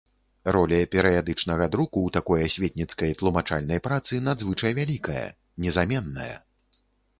Роля перыядычнага друку ў такой асветніцкай, тлумачальнай працы надзвычай вялікая, незаменная.